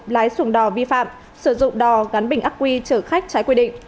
lái xuồng đò vi phạm sử dụng đò gắn bình ắc quy trở khách trái quy định